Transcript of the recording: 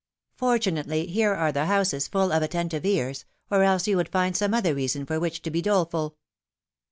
Fortunately, here are the houses full of atten tive ears, or else you would find some other reason for which to be doleful."